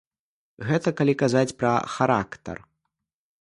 Гэта калі казаць пра характар.